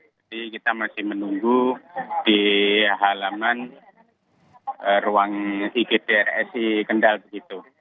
jadi kita masih menunggu di halaman ruang igd rsi kendal begitu